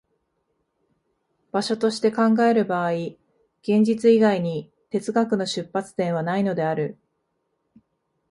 場所として考える場合、現実以外に哲学の出発点はないのである。